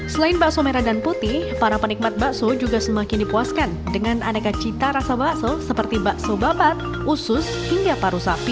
selain bakso merah dan putih para penikmat bakso juga semakin dipuaskan dengan aneka cita rasa bakso seperti bakso babat usus hingga paru sapi